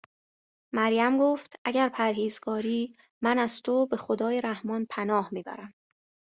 مریم گفت: اگر پرهیزگاری، من از تو به خدای رحمان پناه میبرم